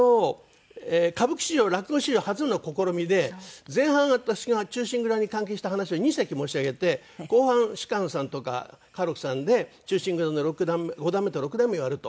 歌舞伎史上落語史上初の試みで前半私が『忠臣蔵』に関係した話を２席申し上げて後半芝翫さんとか歌六さんで『忠臣蔵』の六段目五段目と六段目をやると。